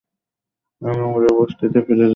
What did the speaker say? আমি উড়ে বসতিতে ফিরে যেতাম।